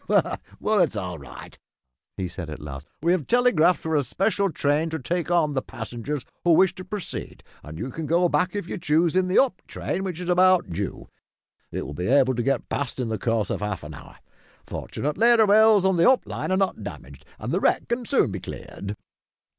"Well, it's all right," he said at last, "we have telegraphed for a special train to take on the passengers who wish to proceed, and you can go back, if you choose, in the up train, which is about due. It will be able to get past in the course of half an hour. Fortunately the rails of the up line are not damaged and the wreck can soon be cleared."